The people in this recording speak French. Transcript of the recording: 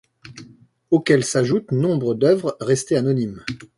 Auxquels s'ajoute nombre d'œuvres restées anonymes.